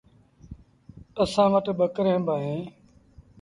اسآݩ وٽ ٻڪريݩ با اوهيݩ۔